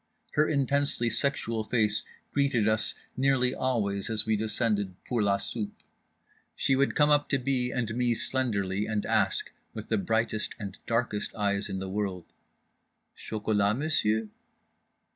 Her intensely sexual face greeted us nearly always as we descended pour la soupe. She would come up to B. and me slenderly and ask, with the brightest and darkest eyes in the world, "_Chocolat, M'sieu'?